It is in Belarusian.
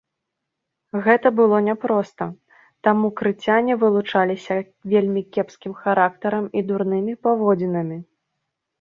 Гэта было няпроста, таму крыцяне вылучаліся вельмі кепскім характарам і дурнымі паводзінамі.